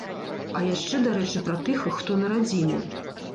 А яшчэ, дарэчы, пра тых, хто на радзіме.